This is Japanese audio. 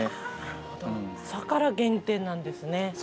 だから原点なんですね。